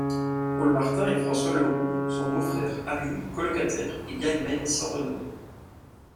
Paul Martin et François Leroux sont beaux-frères, amis, colocataires et gagmen sans renommée.